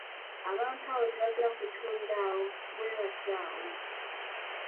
Abantu abo tebatera kutuulira awo. bwe batyo awo.